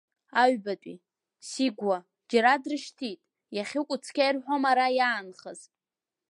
Аҩбатәи, Сигәуа, џьара дрышьҭит, иахьыкәу цқьа ирҳәом ара иаанхаз.